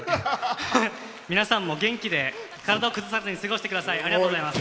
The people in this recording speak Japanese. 皆さんも元気で体を崩さず過ごしてください。